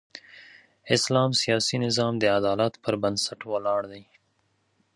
اسلام سیاسي نظام د عدالت پر بنسټ ولاړ دی.